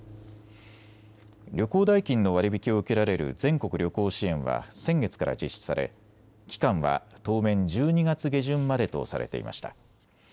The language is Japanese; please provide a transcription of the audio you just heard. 旅行代金の割り引きを受けられる全国旅行支援は先月から実施され期間は当面１２月下旬までとされていました。